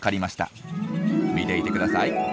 見ていてください。